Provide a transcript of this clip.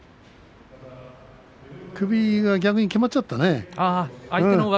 首が逆にきまっちゃったね。